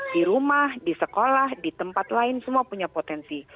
di rumah di sekolah di tempat lain semua punya potensi